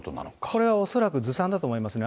これは恐らくずさんだと思いますね。